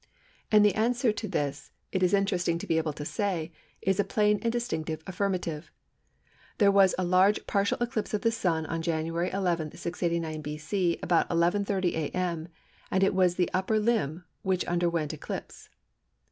And the answer to this it is interesting to be able to say is a plain and distinct affirmative. There was a large partial eclipse of the Sun on January 11, 689 B.C., about 11.30 A.M., and it was the upper limb which underwent eclipse.